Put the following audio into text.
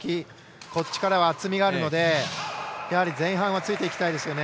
こっちからは厚みがあるのでやはり前半はついていきたいです。